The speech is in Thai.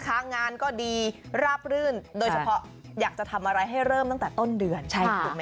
งานก็ดีราบรื่นโดยเฉพาะอยากจะทำอะไรให้เริ่มตั้งแต่ต้นเดือนถูกไหม